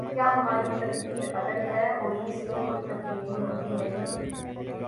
کیا ہماری تقدیر اٹل ہے اور اس میں کوئی تبدیلی ممکن نہیں؟